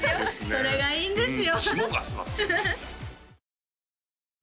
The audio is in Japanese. それがいいんですよ